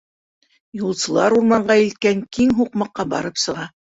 Юлсылар урманға илткән киң һуҡмаҡҡа барып сыға.